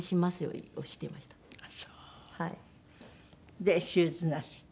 で手術なすって？